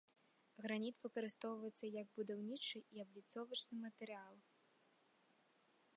Граніт выкарыстоўваецца як будаўнічы і абліцовачны матэрыял.